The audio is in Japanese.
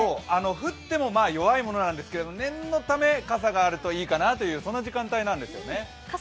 降っても弱いものなんですけれども、念のため傘があるといいかなという時間帯なんですね。